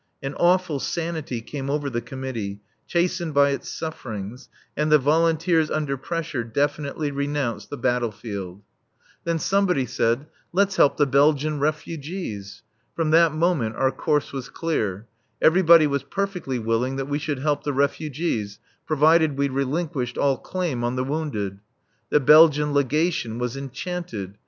An awful sanity came over the committee, chastened by its sufferings, and the volunteers, under pressure, definitely renounced the battle field. Then somebody said, "Let's help the Belgian refugees." From that moment our course was clear. Everybody was perfectly willing that we should help the refugees, provided we relinquished all claim on the wounded. The Belgian Legation was enchanted.